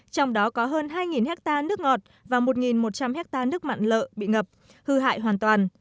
trong đó có hơn hai hectare nước ngọt và một một trăm linh hectare nước mặn lợ bị ngập hư hại hoàn toàn